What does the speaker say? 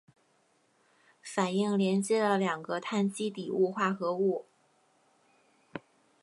反应连接了两个羰基底物化合物。